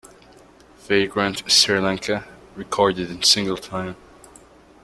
Vagrant is Sri Lanka, recorded in single time.